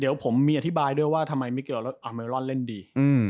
เดี๋ยวผมมีอธิบายด้วยว่าทำไมมิเคลอามเมรอลเล่นดี